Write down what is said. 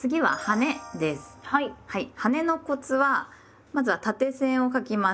はねのコツはまずは縦線を書きます。